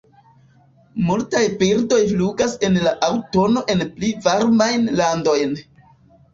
Multaj birdoj flugas en la aŭtuno en pli varmajn landojn.